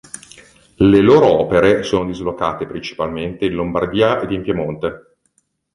Le loro opere sono dislocate principalmente in Lombardia ed in Piemonte.